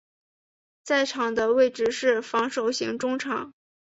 在场上的位置是防守型中场。